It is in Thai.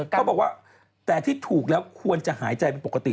เขาบอกว่าแต่ที่ถูกแล้วควรจะหายใจเป็นปกติ